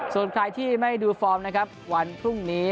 ส่วนใครที่ไม่ดูฟอร์มนะครับวันพรุ่งนี้